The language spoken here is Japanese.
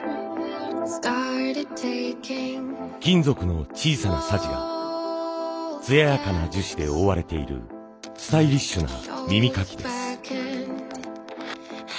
金属の小さなさじが艶やかな樹脂で覆われているスタイリッシュな耳かきです。